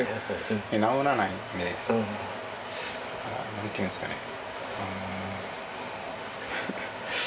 何ていうんすかね。